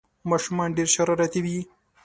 ماشومان ډېر شرارتي وي